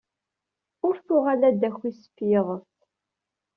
Ur tuɣal ad d-taki sef yiḍes.